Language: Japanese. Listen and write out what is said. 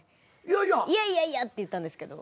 いやいやいやって言ったんですけど。